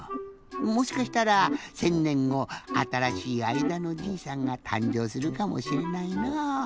もしかしたら１，０００ねんごあたらしい「あいだのじいさん」がたんじょうするかもしれないのう。